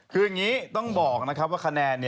คืออย่างนี้ต้องบอกนะครับว่าคะแนน